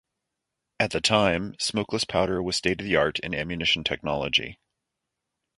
At the time, smokeless powder was state of the art in ammunition technology.